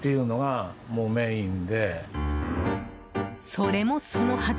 それもそのはず。